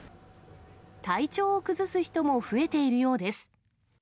体調を崩す人も増えているようです。